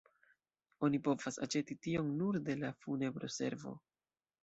Oni povas aĉeti tion nur de la funebroservo.